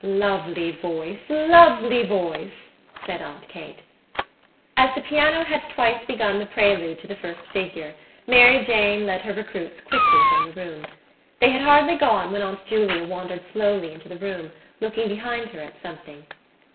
"Lovely voice, lovely voice!" said Aunt Kate. As the piano had twice begun the prelude to the first figure Mary Jane led her recruits quickly from the room. They had hardly gone when Aunt Julia wandered slowly into the room, looking behind her at something.